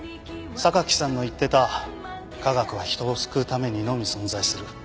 榊さんの言ってた「科学は人を救うためにのみ存在する」